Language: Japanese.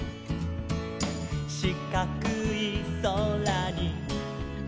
「しかくいそらに」